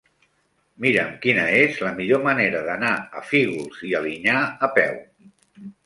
Mira'm quina és la millor manera d'anar a Fígols i Alinyà a peu.